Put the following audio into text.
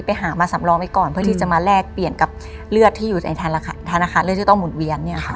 ไปหามาสำรองไว้ก่อนเพื่อที่จะมาแลกเปลี่ยนกับเลือดที่อยู่ในธนาคารเลือดที่ต้องหุ่นเวียนเนี่ยค่ะ